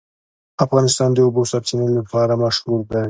افغانستان د د اوبو سرچینې لپاره مشهور دی.